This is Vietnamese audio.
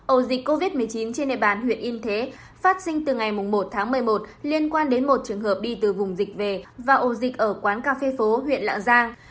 ổ dịch covid một mươi chín trên địa bàn huyện yên thế phát sinh từ ngày một tháng một mươi một liên quan đến một trường hợp đi từ vùng dịch về và ổ dịch ở quán cà phê phố huyện lạng giang